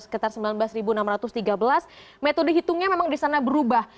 sekitar sembilan belas enam ratus tiga belas metode hitungnya memang di sana berubah